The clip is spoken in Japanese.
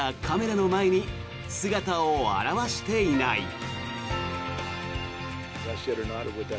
カメラの前に姿を現していない。